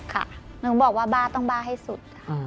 หนูบอกว่าบ้าต้องบ้าให้สุด